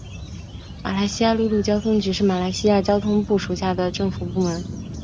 马来西亚陆路交通局是马来西亚交通部属下的政府部门。